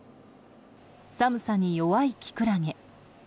寒さに弱いキクラゲ。